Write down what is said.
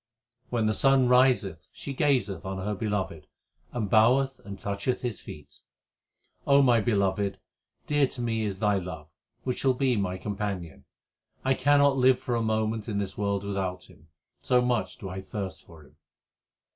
When the sun riseth she gazeth on her beloved, and boweth, and toucheth his feet. my Beloved, dear to me is Thy love, which shall be my companion. 1 cannot live for a moment in this world without Him ; so much do I thirst for Him.